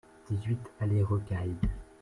dix-huit allée Recalde